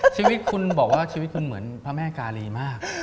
ชีวิตคุณบอกว่าชีวิตคุณเหมือนพระแม่กาลีมาก